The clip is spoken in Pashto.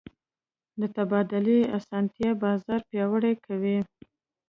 د تبادلې اسانتیا بازار پیاوړی کوي.